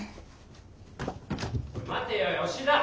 ・待てよ吉田！